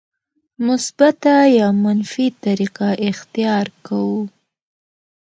مثبته یا منفي طریقه اختیار کوو.